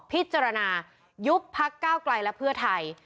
พิจารณายุบภักด์เก้าไกลและเภือไทย